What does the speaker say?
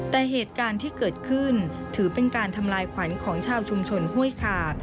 แต่เหตุการณ์ที่เกิดขึ้นถือเป็นการทำลายขวัญของชาวชุมชนห้วยคา